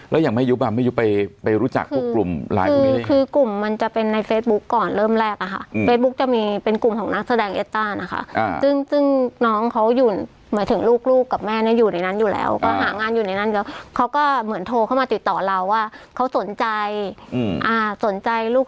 แล้วอย่างแม่ยุบอ่ะไม่ยุบไปไปรู้จักพวกกลุ่มไลน์กลุ่มนี้คือกลุ่มมันจะเป็นในเฟซบุ๊คก่อนเริ่มแรกอะค่ะเฟซบุ๊กจะมีเป็นกลุ่มของนักแสดงเอสต้านะคะซึ่งซึ่งน้องเขาอยู่หมายถึงลูกลูกกับแม่เนี่ยอยู่ในนั้นอยู่แล้วก็หางานอยู่ในนั้นแล้วเขาก็เหมือนโทรเข้ามาติดต่อเราว่าเขาสนใจสนใจลูก